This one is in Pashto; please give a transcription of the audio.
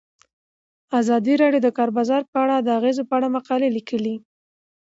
ازادي راډیو د د کار بازار د اغیزو په اړه مقالو لیکلي.